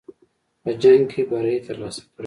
په جنګ کې بری ترلاسه کړی دی.